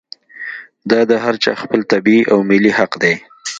دا د هر چا خپل طبعي او ملي حق دی.